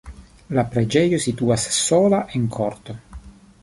La preĝejo situas sola en korto.